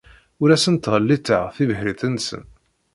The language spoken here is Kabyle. Ur asen-ttɣelliteɣ tibḥirt-nsen.